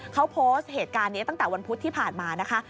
เขาโพสต์เหตุการณ์นี้ตั้งแต่วันพุธที่ผ่านมานะคะ